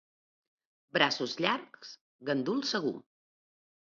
Braços llargs, gandul segur.